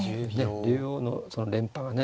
竜王の連覇がね